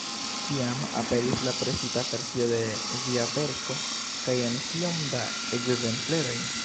Kiam aperis la presita versio de via verko, kaj en kiom da ekzempleroj?